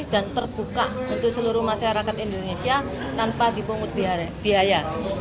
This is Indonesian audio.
dan terbuka untuk seluruh masyarakat indonesia tanpa dipungut biaya